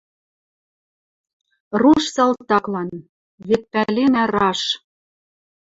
Руш салтаклан. Вет пӓленӓ раш: